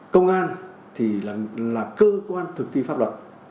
công an thì là cơ quan thực thi pháp luật